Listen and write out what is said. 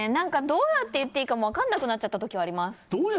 どうやっていいか分からなくなっちゃった時はあります。